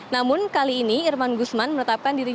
namun kali ini irman gusman menetapkan dirinya